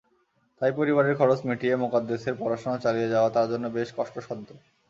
তাই পরিবারের খরচ মিটিয়ে মোকাদ্দেসের পড়াশোনা চালিয়ে যাওয়া তাঁর জন্য বেশ কষ্টসাধ্য।